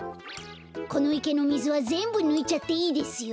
このいけのみずはぜんぶぬいちゃっていいですよ。